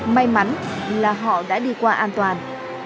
may mắn là họ đã đi qua an toàn